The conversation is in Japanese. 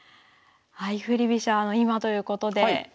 相振り飛車の今ということで。